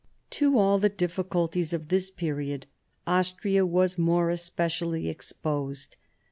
To all the difficulties of this period Austria was more especially exposed.